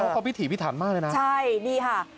ความพิถีพี่ถามมากเลยนะ